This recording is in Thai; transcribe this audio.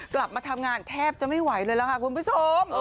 กลับมาทำงานแทบจะไม่ไหวเลยล่ะค่ะคุณผู้ชม